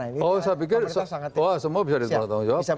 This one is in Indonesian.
oh saya pikir semua bisa ditanggung jawab